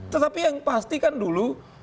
tetapi yang pasti kan dulu